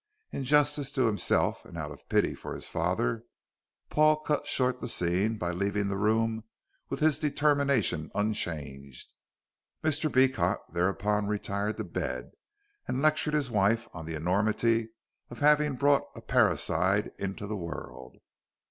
In justice to himself, and out of pity for his father, Paul cut short the scene by leaving the room with his determination unchanged. Mr. Beecot thereupon retired to bed, and lectured his wife on the enormity of having brought a parricide into the world.